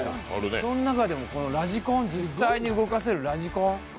その中でも実際に動かせるラジコン。